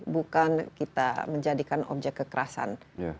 bukan kita menjadikan objek kekerasan